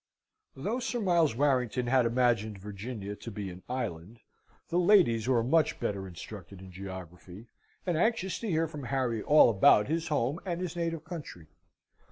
Though Sir Miles Warrington had imagined Virginia to be an island, the ladies were much better instructed in geography, and anxious to hear from Harry all about his home and his native country.